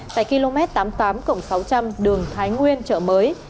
tại km tám mươi tám cộng sáu trăm linh đường thái nguyên chợ mới